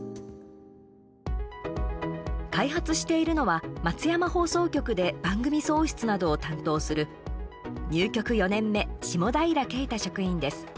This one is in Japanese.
開発しているのは、松山放送局で番組送出などを担当する入局４年目、下平啓太職員です。